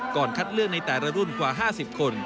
คัดเลือกในแต่ละรุ่นกว่า๕๐คน